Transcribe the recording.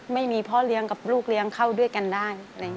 ไม่มีพ่อเลี้ยงกับลูกเลี้ยงเข้าด้วยกันได้